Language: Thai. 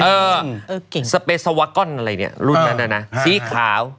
สเปซาวากอนอะไรเนี่ยรุ่นนั้นน่ะนะสีขาว